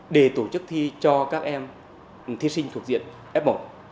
để tổ chức thi cho các em thí sinh thuộc diện f một